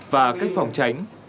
và cách phòng tránh